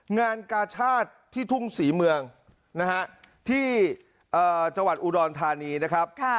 งานกาชาติที่ทุ่งศรีเมืองนะฮะที่จังหวัดอุดรธานีนะครับ